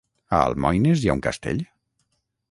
A Almoines hi ha un castell?